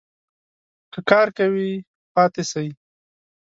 که کار کوی ؟ پاته سئ